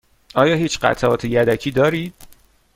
آیا هیچ قطعات یدکی دارید؟